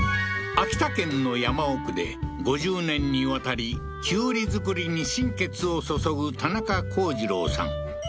秋田県の山奥で５０年にわたりきゅうり作りに心血を注ぐ田中幸次郎さん